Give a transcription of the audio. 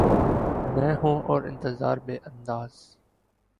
میں ہوں اور انتظار بے انداز